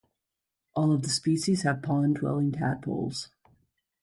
All of the species have pond-dwelling tadpoles.